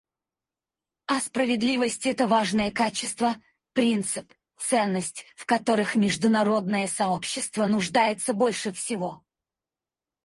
А справедливость — это важное качество, принцип, ценность, в которых международное сообщество нуждается больше всего.